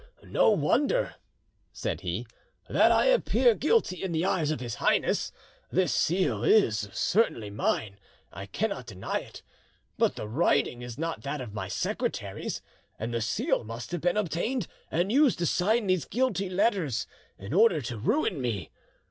"No wonder," said he, "that I appear guilty in the eyes of His Highness. This seal is, certainly mine, I cannot deny it; but the writing is not that of my secretaries, and the seal must have been obtained and used to sign these guilty letters in order to ruin me.